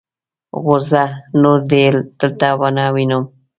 غورځه! نور دې دلته و نه وينم.